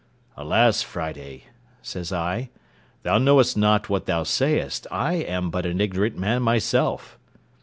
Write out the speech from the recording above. "Alas, Friday!" says I, "thou knowest not what thou sayest; I am but an ignorant man myself."